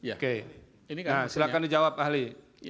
oke silahkan dijawab ahli